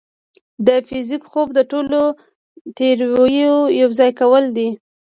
د فزیک خوب د ټولو تیوريو یوځای کول دي.